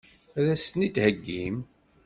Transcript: Ad as-ten-id-theggim?